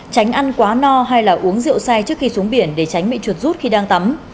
tránh ăn quá no hay là uống rượu say trước khi xuống biển để tránh bị chuột rút khi đang tắm